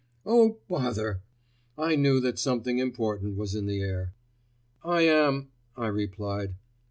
Oh, bother!" I knew that something important was in the air. "I am," I replied.